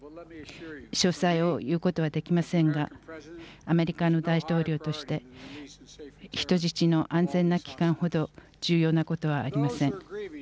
詳細を言うことはできませんがアメリカの大統領として人質の安全な帰還ほど重要なことはありません。